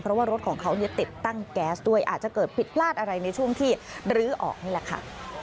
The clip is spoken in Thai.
เพราะว่ารถของเขาติดตั้งแก๊สด้วยอาจจะเกิดผิดพลาดอะไรในช่วงที่ลื้อออกนี่แหละค่ะ